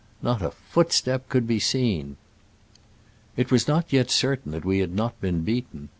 Not a footstep could be seen. It was not yet certain that we had not been beaten.